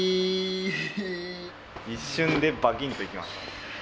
一瞬でバキンッといきました。